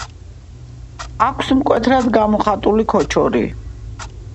აქვს მკვეთრად გამოხატული ქოჩორი.